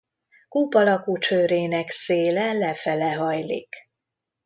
Kúp alakú csőrének széle lefele hajlik.